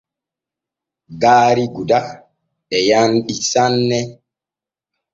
Gaari Gouda e yanɗi sanne.